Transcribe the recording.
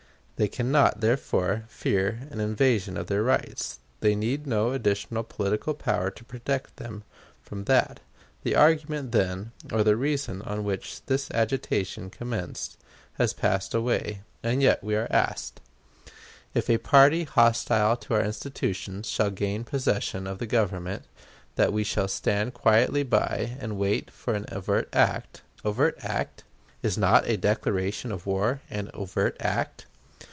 They can not, therefore, fear an invasion of their rights. They need no additional political power to protect them from that. The argument, then, or the reason on which this agitation commenced, has passed away; and yet we are asked, if a party hostile to our institutions shall gain possession of the Government, that we shall stand quietly by, and wait for an overt act. Overt act! Is not a declaration of war an overt act?